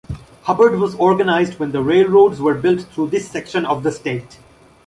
Hubbard was organized when the railroads were built through this section of the state.